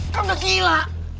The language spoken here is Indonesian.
kamu udah gila